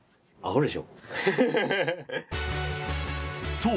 そう！